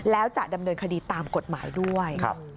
แล้วจะดำเนินคดีตามกฎหมายด้วย